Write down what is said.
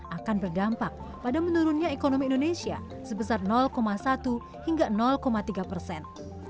akan berdampak pada menurunnya ekonomi indonesia sebesar satu hingga tiga persen